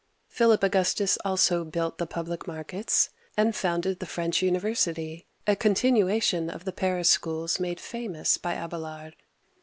Philip Augustus also built the public markets, and founded the French University, a continuation of the Paris schools made famous by Abelard.